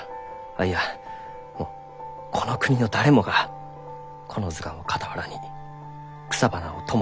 あっいやこの国の誰もがこの図鑑を傍らに草花を友とする。